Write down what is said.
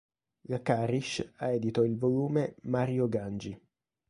La Carisch ha edito il volume "Mario Gangi.